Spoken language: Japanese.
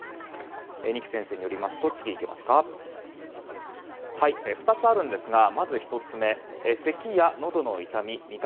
二木先生によりますと２つあるんですが、まず１つ目せきやのどの痛み味覚